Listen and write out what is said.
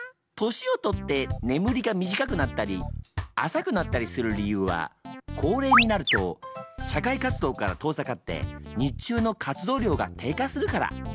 年をとって眠りが短くなったり浅くなったりする理由は高齢になると社会活動から遠ざかって日中の活動量が低下するから。